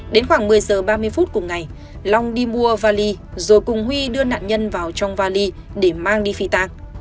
đến khoảng một mươi giờ ba mươi phút cùng ngày long đi mua vali rồi cùng huy đưa nạn nhân vào trong vali để mang đi phi tàng